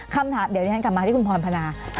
คำถามเดี๋ยวที่ฉันกลับมาที่คุณพรพนา